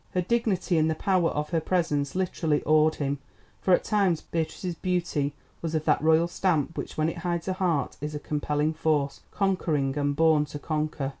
Her dignity and the power of her presence literally awed him, for at times Beatrice's beauty was of that royal stamp which when it hides a heart, is a compelling force, conquering and born to conquer.